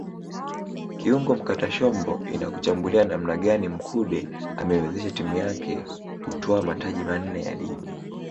Kiungo mkatashombo inakuchambulia namna gani Mkude ameiwezesha timu yake kutwaa mataji manne ya Ligi